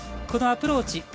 このアプローチ。